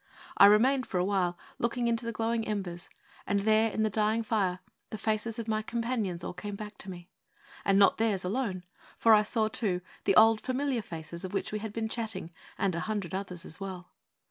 I remained for awhile, looking into the glowing embers; and there, in the dying fire, the faces of my companions all came back to me. And not theirs alone; for I saw, too, the old familiar faces of which we had been chatting, and a hundred others as well.